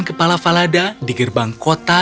kepala falada di gerbang kota